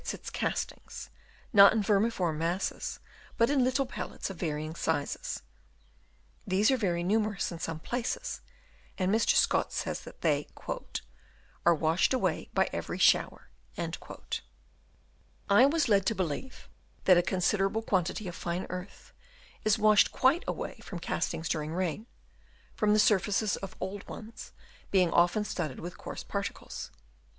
275 its castings, not in vermiform masses, but in little pellets of varying sizes : these are very numerous in some places, and Mr. Scott says that they " are washed away by every " shower." I was led to believe that a considerable quantity of fine earth is washed quite away from castings during rain, from the surfaces of old ones being often studded with coarse particles.